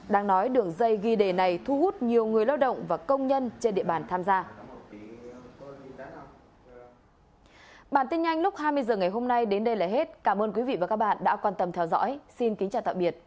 đang nói đường dây ghi đề này thu hút nhiều người lao động và công nhân trên địa bàn tham gia